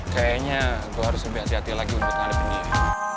kayaknya gue harus lebih hati hati lagi untuk menghadapi ini